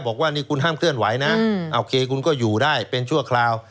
บอกว่านี่คุณห้ามเคลื่อนไหวนะโอเคคุณก็อยู่ได้เป็นชั่วคราว